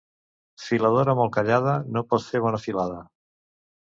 Filadora molt callada no pot fer bona filada.